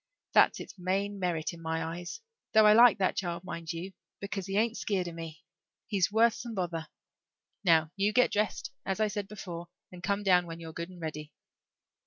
That's its main merit in my eyes, though I like that child, mind you, because he ain't skeered of me. He's worth some bother. Now, you get dressed, as I said before, and come down when you're good and ready."